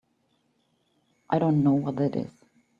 I don't know what it is.